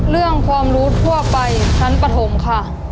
เรื่องความรู้ทั่วไปชั้นปฐมค่ะ